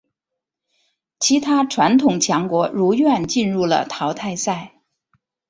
其他传统强国如愿进入了淘汰赛。